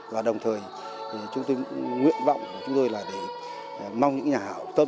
và đồng thời chúng tôi nguyện vọng chúng tôi là để mong những nhà hảo tâm